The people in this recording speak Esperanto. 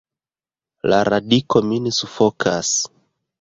La radiko min sufokas!